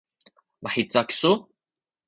mahica kisu?